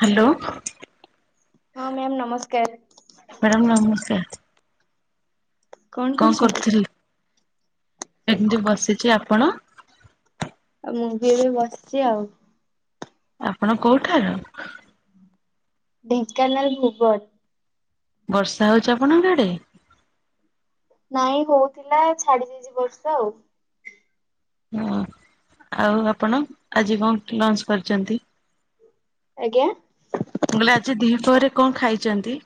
Hello. ହଁ ma'am ନମସ୍କାର। Madam ନମସ୍କାର। କଣ କରୁଥିଲେ। ଏମିତି ବସିଚି ଆପଣ? ଆଉ ମୁଁ ବି ଏବେ ବସିଚି ଆଉ। ଆପଣ କୋଉଠାର? ଢେଙ୍କାନାଳ ଭୂବନ। ବର୍ଷା ହଉଚି ଆପଣଙ୍କ ଆଡେ? ନାଇଁ ହଉଥିଲା ଛାଡି ଯାଇଚି ବର୍ଷା ଆଉ। ହଁ ଆଉ ଆପଣ ଆଜି କଣ ଲଞ୍ଚ କରିଚନ୍ତି? ଆଜ୍ଞା? ମୁଁ କହିଲି ଆଜି ଦିପହରେ କଣ ଖାଇଚନ୍ତି?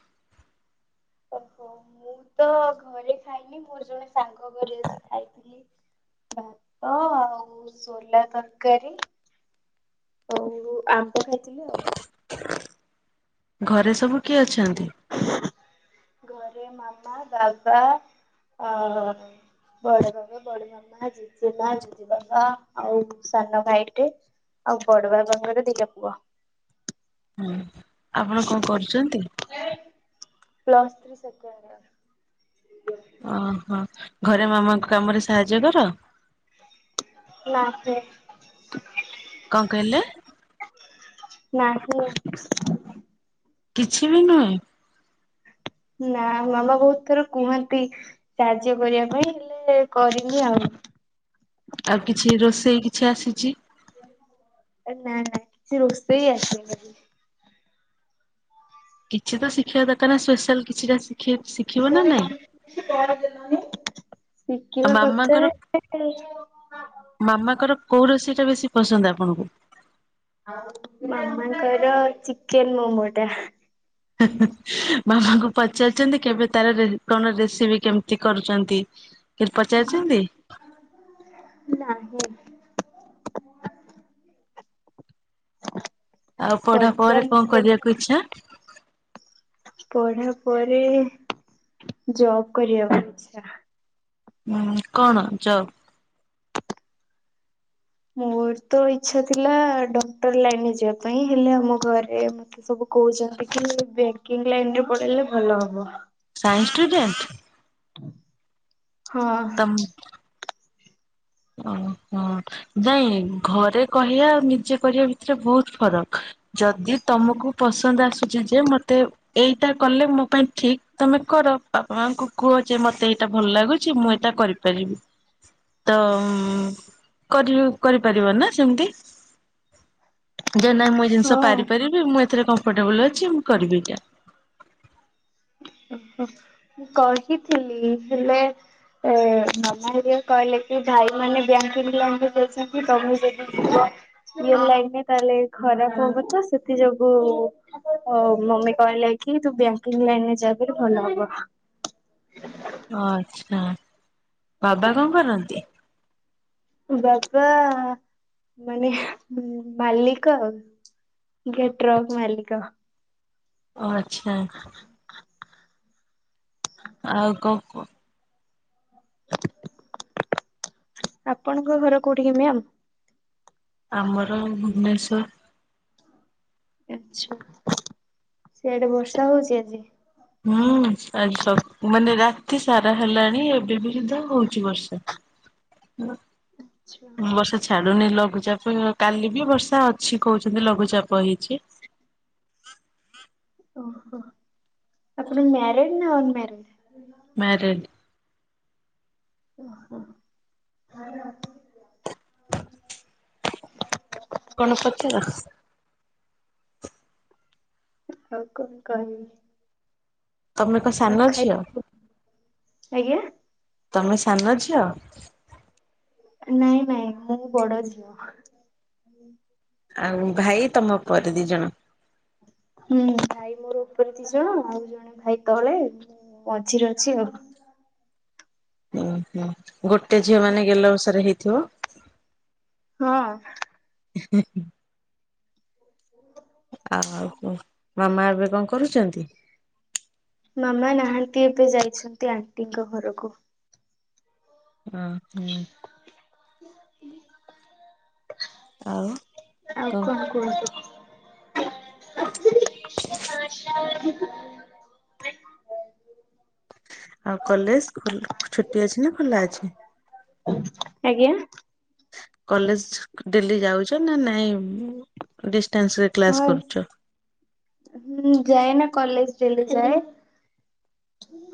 ଓହୋ ମୁଁ ତ ଘରେ ଖାଇନି, ମୋର ଜଣେ ସାଙ୍ଗ ଘରେ ଆଜି ଖାଇଥିଲି। ଭାତ ଆଉ ଶୋଲା ତରକାରୀ ଆଉ ଆମ୍ବ ଖାଇଥିଲି ଆଉ। ଘରେ ସବୁ କିଏ ଅଛନ୍ତି? ଘରେ ମାମା ବାବା ଅ ବଡ଼ ବାବା ବଡ଼ ମାମା ଜେଜେମା ଜେଜେ ବାବା ଆଉ ସାନ ଭାଇଟେ। ଆଉ ବଡ଼ ବାବାଙ୍କର ଦିଇଟା ପୁଅ। ହୁଁ ଆପଣ କଣ କରୁଚନ୍ତି? Plus three second year. ଓହୋ ଘରେ ମାମାଙ୍କ କାମରେ ସାହାଯ୍ୟ କର? ନା ଫେ କଁ କହିଲ? ମା ଙ୍କୁ [unintelligible] କିଛି ବି ନୁହେଁ? ନା ମାମା ବୋହୁତ ଥର କୁହନ୍ତି, ସାହାଯ୍ୟ କରିବା ପାଇଁ ହେଲେ କରିନି ଆଉ। ଆଉ କିଛି ରୋଷେଇ କିଛି ଆସିଛି? ଏ ନା ନା କିଛି ରୋଷେଇ ଆସେନି ବି। କିଛି ତ ଶିଖିବା ଦରକାର୍ ନା, ସ୍ପେଶାଲ କିଛିଟା ସିଖି ଶିଖିବ ନା ନାଇଁ। [inaudible] ଆଉ ଶିଖିବା କଥା ମାମାଙ୍କର ଏଇ ମାମାଙ୍କର କୋଉ ରୋଷେଇ ଟା ବେଶୀ ପସନ୍ଦ ଆପଣଙ୍କୁ? ମାମାଙ୍କର ଚିକେନ ମୋମୋ ଟା। ମାମାଙ୍କୁ ପଚାରିଛନ୍ତି କେବେ ତାର ରେ କଣ ରେସିପି କେମିତି କରୁଚନ୍ତି? କେବ୍ ପଚାରିଛନ୍ତି? ନାହିଁ। ଆଉ ପଢ଼ା ପରେ ପଚାରିନି କଁ କରିବାକୁ ଇଛା? ପଢ଼ା ପରେ ଜବ୍ କରିବାକୁ ଇଚ୍ଛା। ହୁଁ କଣ ଜବ୍? ମୋର ତ ଇଛା ଥିଲା, ଡ଼କ୍ଟର ଲାଇନରେ ଯିବା ପାଇଁ ହେଲେ ଆମ ଘରେ ମ ତେ ସବୁ କହୁଛନ୍ତି କି, ବେଙ୍କିଙ୍ଗ୍ ଲାଇନ୍ ରେ ପଢ଼ିଲେ ଭଲ ହବ। Science student? ହଁ। ଆଉ ଓହୋ ଦାଇଁ ଘରେ କହିଆ ଆଉ ନିଜେ କରିଆ ଭିତରେ ବୋହୁତ ଫରକ୍। ଯଦି ତମକୁ ପସନ୍ଦ ଆସୁଚି ଯେ ମତେ ଏଇଟା କଲେ ମୋ ପାଇଁ ଠିକ୍ ତମେ କର ବାପା ମାଙ୍କୁ କୁହ ଯେ ମତେ ଏଇଟା ଭଲ ଲାଗୁ ଚି ମୁଁ ଏଇଟା କରିପାରିବି। ତ ଉଁ କରିବ କରିପାରିବ ନା ସେମିତି। ଯେ ନାଇଁ ମୁଁ ଏଇ ଜିନିଷ ପାରି ହଁ ପାରିବି ମୁଁ ଏଥିରେ କମ୍ଫର୍ଟେବୁଲ ଅଛି ମୁଁ କରିବି ଏଇଟା। ଉଁ ଉଁ ମୁଁ କହିଥିଲି ହେଲେ ଏ ମାମା ହେରିଆ କହିଲେ କି ଭାଇ ମାନେ ବ୍ୟାଙ୍କିଙ୍ଗ୍ ଲାଇନ୍ ରେ ଯାଇଚନ୍ତି ତମେ ଯଦି ଯିବ ଇଏ ଲାଇନରେ ତାହେଲେ ଖରାପ ହବ ତ ସେଥି ଯୋଗୁ। ଅଉ ମମି କହିଲା କି ତୁ ବ୍ୟାଙ୍କିଙ୍ଗ୍ ଲାଇନରେ ଯା ବୋଲି ଭଲ ହବ। ଓ ଆଛା ବାବା କଣ କରନ୍ତି? ବାବା ମାନେ ମାଲିକ ଆଉ। ଗେ ଟ୍ରକ୍ ମାଲିକ। ଓ ଆଚ୍ଛା। ଆଉ କ କୁଅ। ଆପଣଙ୍କ ଘର କୋଉଠି କି ମ୍ୟାମ୍? ଆମର ଭୁବନେସ୍ୱର୍। ଅଚ୍ଛା। ସିଆଡ଼େ ବର୍ଷା ହୋଉଚି ଆଜି? ହୁଁ ଆଜି ଛ ମାନେ ରାତି ସାରା ହେଲାଣି ଏବେ ବି ସୁଧା ହଉଚି ବର୍ଷା। ଅଚ୍ଛା। ବର୍ଷା ଛାଡ଼ୁନି ଲଘୁଚାପ କାଲି ବି ବର୍ଷା ଅଛି କହୁଚନ୍ତି ଲଘୁଚାପ ହେଇଚି ଓହୋ ଆପଣ ମ୍ୟାରେଡ୍ ନା ଅନମ୍ୟାରେଡ୍? ମ୍ୟାରେଡ଼୍। ଓହୋ। କଣ ପଚାର? ଆଉ କଣ କହିବି? ତମେ କଣ ଆଉ ସାନ ଖାଇ ଝିଅ? ଆଜ୍ଞା ତମେ ସାନ ଝିଅ? ନାଇଁ ନାଇଁ ମୁଁ ବଡ଼ ଝିଅ। ଆଉ ଭାଇ ତମ ପରେ ଦି ଜଣ ହୁଁ ଭାଇ ମୋର ଓପରେ ଦି ଜଣ ଆଉ ଜଣେ ଭାଇ ତଳେ ମୁଁ ମଝିରେ ଅଛି ଆଉ। ଓହୋ ଗୋଟେ ଝିଅ ମାନେ ଗେଲ ବଷର ହେଇଥିବ। ହଁ। [unintelligible] [inaudible] ଆଉ କୁଅ। ମାମା ଏବେ କଣ କରୁଛନ୍ତି? ମାମା ନାହାନ୍ତି ଏବେ ଯାଇଛନ୍ତି ଆଣ୍ଟିଙ୍କ ଘରକୁ। ଅ ହ। ଆଉ ଆଉ କଣ କୁହନ୍ତୁ? [unintelligible] ଆଉ କଲେଜ୍ ଖୋଲ୍ ଛୁଟି ଅଛି ନା ଖୋଲା ଅଛି? ଆଜ୍ଞା। କଲେଜ୍ ଡେଲି ଯାଉଚ ନା ନାଇଁ ଡିଷ୍ଟାନ୍ସରେ କ୍ଲାସ ହଁ କରୁଚ? ହୁଁ ଯାଏ ନା କଲେଜ ଡେଲି ଯାଏ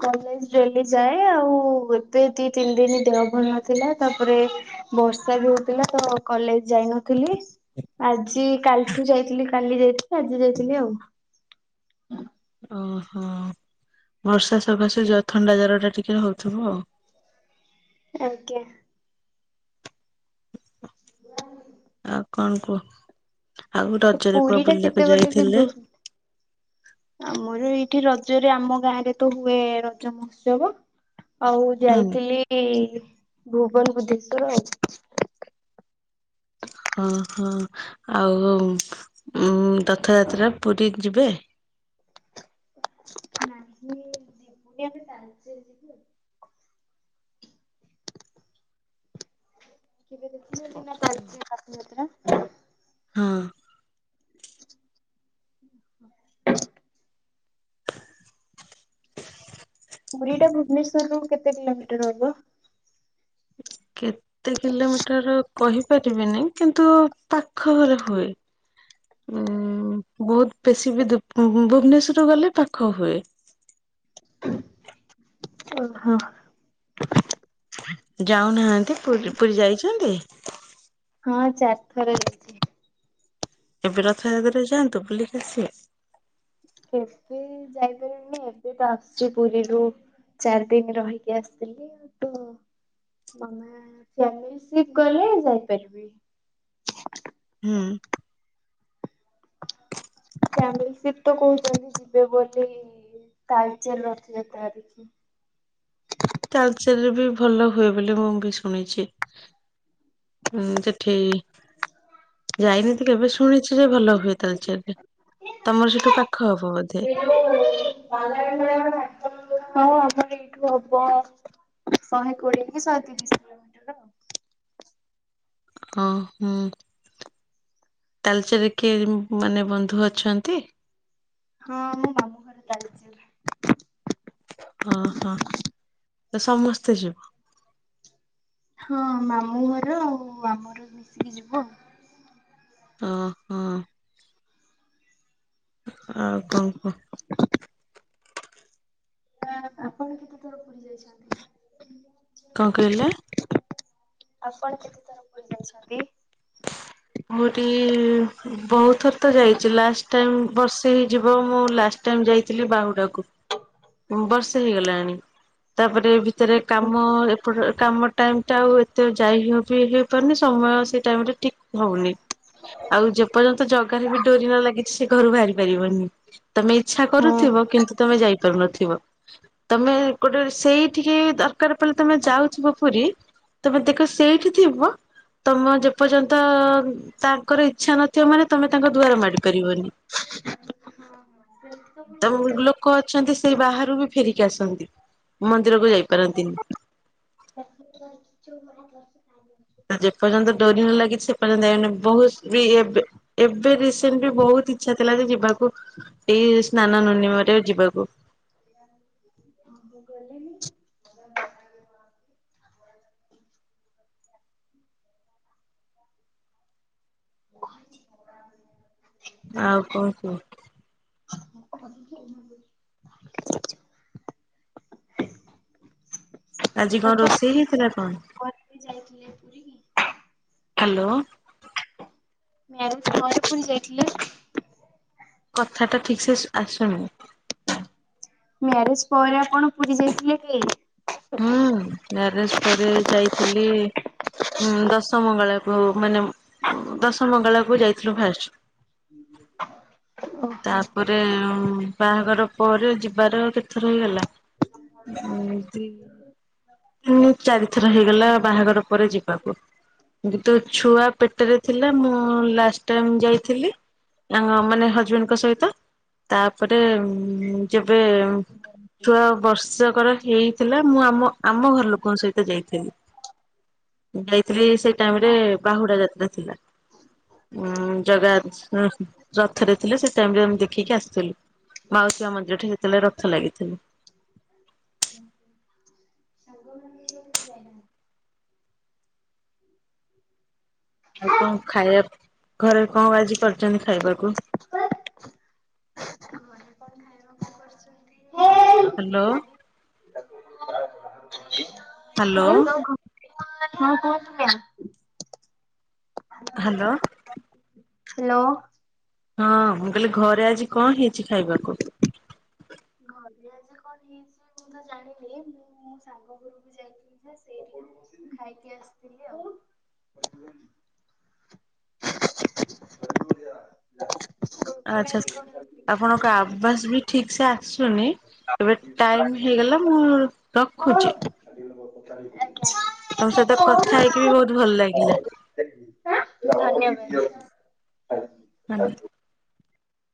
କଲେଜ ଡେଲି ଯାଏ। ବେ ଆଉ ଏବେ ଦି ତିନି ଦିନି ଦେହ ଭଲ ନଥିଲା ତାପରେ ବର୍ଷା ବି ହଉଥିଲା ତ କଲେଜ ଯାଇନୁ। ଥିଲ ଆଜି କାଲିଠୁ ଯାଇଥିଲି କାଲି ଯାଇଥିଲି ଆଜି ଯାଇଥିଲି ଆଉ। ଓହୋ ବର୍ଷା ସକାଶେ ଜ ଥଣ୍ଡା ଜର ଟା ଟିକେ ହଉଥିବ ଆଉ ଆଜ୍ଞା। [unintelligible] ଆଉ କଣ କୁହ ଆଉ ରଜରେ କୁଅ ପୁରୀ ଟା କେତେ ବୁଲିବାକୁ ବାଟ କି ଦୂ ଯାଇଥିଲେ? ଆମର ଏଇଠି ରଜରେ ଆମ ଗାଁ ରେ ତ ହୁଏ ରଜ ମହୋତ୍ସବ ଆଉ ହୁଁ। ଯାଇଥିଲି ଭୁବନ ବୁଦ୍ଧେସ୍ଵର ଆଉ ହଁ ହଁ ଆଉ ଉଁମ୍ ରଥଯାତ୍ରା ରେ ପୁରୀ ଯିବେ? [unintelligible] [inaudible] [unintelligible] ହଁ। ପୁରୀଟା ଭୁବନେଶ୍ୱର ରୁ କେତେ କିଲୋମିଟର ହବ? କେତେ କିଲୋମିଟରର କହିପାରିବିନି କିନ୍ତୁ ପାଖ ଘରେ ହୁଏ। ଉ ବହୁତ ବେଶୀ ବି ଦୁ ଭୁବନେଶ୍ୱରରୁ ଗଲେ ପାଖ ହୁଏ। ଓହୋ। ଯାଉନାହାନ୍ତି ପୁରୀ ପୁରୀ ଯାଇଚନ୍ତି? ହଁ ଚାରିଥର ଯାଇଚି। ଏବେ ରଥଯାତ୍ରାରେ ଯାଆନ୍ତୁ ବୁଲିକି ଆସିବେ। ଏବେ ଯାଇପାରିବିନି ଏବେ ତ ଆସଚି ପୁରୀରୁ ଚାରି ଦିନ ରହିକି ଆସିଥିଲି। ତ [unintelligible] ଯାଇପାରିବି। ହୁଁ। [unintelligible] ତ କହୁଚନ୍ତି ଯିବେ ବୋଲି ତାଲଚେର ରଥଯାତ୍ରା ଦେଖି। ତାଳଚେରରେ ବି ଭଲ ହୁଏ ବୋଲି ମୁଁ ବି ଶୁଣିଚି। ହୁଁ ସେଠି ଯାଇନିତି କେବେ ଶୁଣିଚି ଯେ ଭଲ ହୁଏ ତାଲଚରରେ। ତମର ସେଠୁ ପାଖ ହବ ବୋଧେ? [inaudible] ହଁ ଆମର ଏଇଠୁ ହବ ଶହେ କୋଡିଏ କି ଶହେ ତିରିଶ [unintelligible] ହଁ ହୁଁ। ତାଲଚେରରେ କିଏ ମାନେ ବନ୍ଧୁ ଅଛନ୍ତି? ହଁ ଆମ ମାମୁଁ ଘର ତାଳଚେର ରେ। ହଁ ହଁ ତ ସମସ୍ତେ ଯିବ? ହଁ ମାମୁଁ ଘର ଆଉ ଆମର ମିଶିକି ଯିବୁ ଆଉ। ଅଁ ହଁ। ଆଉ କଣ କୁହ? [unintelligible] ଆପଣ କେତେ ଥର ପୁରୀ ଯାଇଛନ୍ତି? କଣ କହିଲେ? ଆପଣ କେତେଥର ପୁରୀ ଯାଇଛନ୍ତି? ମୁଟି ବହୁତଥର ତ ଯାଇଛି ଲାଷ୍ଟ ଟାଇମ ବର୍ଷେ ହେଇଯିବ ମୁଁ ଲାଷ୍ଟ ଟାଇମ୍ ଯାଇଥିଲି ବାହୁଡ଼ା କୁ ବର୍ଷେ ହେଇଗଲାଣି। ତାପରେ ଭିତରେ କାମ ଏପଟ କାମ ଟାଇମ ଟା ଆଉ ଏତେ ଯାଇ ହବ କି ହେ ଇପାରୁନି ସମୟ ସେଇ ଟାଇମ ରେ ଠିକ ହଉନି। ଆଉ ଯେପର୍ଯ୍ୟନ୍ତ ଜଗାରେ ବି ଡୋରି ନ ଲାଗିଛି ସେ ଘରୁ ବାହାରି ପାରିବନି। ତମେ ଇଚ୍ଛା କରୁଥିବ କିନ୍ତୁ ତମେ ଯାଇପାରୁନଥିବ। ତମେ ଗୋଟେ ସେଇଠିକି ଦର କାର ପଲେ ତମେ ଯାଉଥିବ ପୁରୀ ତମେ ଦେଖ ସେଇଠି ଥିବ ତମ ଯେପର୍ଯ୍ୟନ୍ତ ତାଙ୍କର ଇଛା ନଥିବ ମାନେ ତମେ ତାଙ୍କ ଦୁଆର ମାଡି ପାରିବନି। [inaudible] ତ ମ ଲୋକ ଅଛନ୍ତି ସେଇ ବାହାରୁ ବି ଫେରିକି ଆସନ୍ତି ମନ୍ଦିରକୁ ଯାଇପାରନ୍ତିନି। [unintelligible] ଯେପର୍ଯ୍ୟନ୍ତ ଡୋରି ନ ଲାଗିଛି ସେ ପର୍ଯ୍ୟନ୍ତ ଏ ବହୁତ ବି ଏବେ ଏବେ ରିସେଣ୍ଟ ବି ବହୁତ ଇଛା ଥିଲା ଯେ ଯିବାକୁ ଏଇ ସ୍ନାନ ନୁନିମାରେ ଯିବାକୁ। [unintelligible] [inaudible] [inaudible] ଆଉ କଣ କୁଅ? [unintelligible] ଆଜି କଣ ରୋଷେଇ ହେଇଥିଲା କଣ? କଟି ଯାଇଥିଲେ ପୁରୀ। ହ୍ୟାଲୋ। [unintelligible] ପୁରୀ ଯାଇଥିଲେ। କଥା ଟା ଠିକ୍ ସେ ସୁ ଆସୁନି। ମ୍ୟାରେଜ୍ ପରେ ଆପଣ ପୁରୀ ଯାଇଥିଲେ କି? ହୁଁ ମ୍ୟାରେଜ୍ ପରେ ଯାଇଥିଲି। ଉଁ ଦଶମଙ୍ଗଳାକୁ ମାନେ ଦଶମଙ୍ଗଳାକୁ ଯାଇଥିଲୁ ଫାଷ୍ଟ୍। [inaudible] ଓହୋ। ତାପରେ ଉମ୍ ବାହାଘର ପରେ ଯିବାର କେତେଥର ହେଇଗଲା ଏମତି ଉଁ ଚାରିଥର ହେଇଗଲା ବାହାଘର ପରେ ଯିବାକୁ। ଯେତେ ଛୁଆ ପେଟରେ ଥିଲା ମୁଁ ଲାଷ୍ଟ ଟାଇମ୍ ଯାଇଥିଲି। ଅ ମାନେ ହଜବେଣ୍ଡ୍ ଙ୍କ ସହିତ ତାପରେ ଯେବେ ଛୁଆ ବର୍ଷକର ହେଇଥିଲା ମୁଁ ଆମ ଆମ ଘର ଲୋକଙ୍କ ସହିତ ଯାଇଥିଲି। ଯାଇଥିଲି ସେ ଟାଇମ୍ ରେ ବାହୁଡ଼ା ଯାତ୍ରା ଥିଲା। ଅ ଜଗା ରଥରେ ଥିଲେ ସେ ଟାଇମ୍ ରେ ଆମ ଦେଖିକି ଆସିଥିଲୁ। ମାଉସୀ ମା ମନ୍ଦିର ଠି ଯେତେବେଳେ ରଥ ଲାଗିଥିଲା। [unintelligible] ଆଉ କଣ ଖାଇଆ ଘରେ କଣ ଆଜି କରିଛନ୍ତି ଖାଇବାକୁ? ହ୍ୟାଲୋ। ହ୍ୟାଲୋ। ହଁ କୁହନ୍ତୁ ମ୍ୟାମ୍। ହ୍ୟାଲୋ। ହ୍ୟାଲୋ। ହଁ ମୁଁ କହିଲି ଘରେ ଆଜି କଣ ହେଇଚି ଖାଇବାକୁ? ଘରେ ଆଜି କଣ ହେଇଚି ମୁଁ ତ ଜାଣିନି ମୁଁ ମୋ ସାଙ୍ଗ ଘରକୁ ଯାଇଥି ସେଇଠି ମୁ ଖାଇକି ଆସିଥିଲି ଆଉ। ଆଚ୍ଛା ଆପଣଙ୍କ ଆବାଜ୍ ବି ଠିକ୍ ସେ ଆସୁନି। ଏବେ ଟାଇମ୍ ହେଇଗଲା ମୁଁ ରଖୁଛି। ଆଜ୍ଞା। ତମ୍ ସହିତ କଥା ହେଇକି ବି ବୋହୁତ ଭଲ ଲାଗିଲା। ଆଁ ଧନ୍ୟବାଦ୍। ଧନ୍ୟ